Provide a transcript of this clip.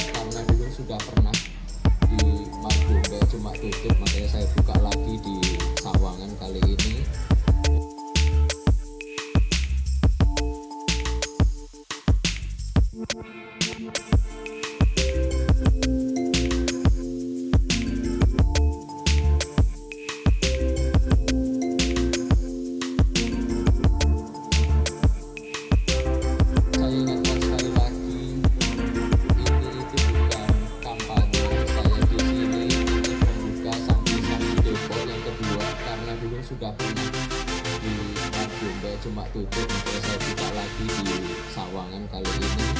karena dulu sudah pernah di margomba cuma tutup makanya saya buka lagi di sawangan kali ini